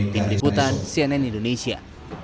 di berikutan cnn indonesia